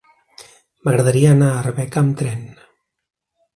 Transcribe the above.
M'agradaria anar a Arbeca amb tren.